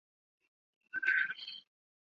第二次御家骚动一样有铃木正雄参与。